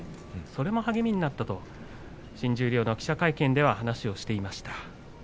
それも励みになったと新十両の記者会見では話をしていました。